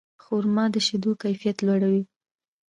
خرما د شیدو کیفیت لوړوي.